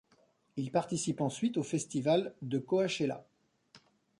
Il participe ensuite au festival de Coachella.